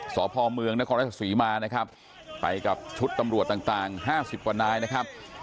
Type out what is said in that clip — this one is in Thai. สพเมืองนครราชศรีมานะครับไปกับชุดตำรวจต่าง๕๐กว่านายนะครับ